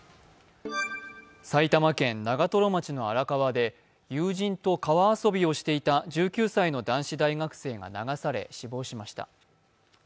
埼玉県長瀞町の荒川で、友人と川遊びをしていた１９歳の男子大学生が流され死亡しました。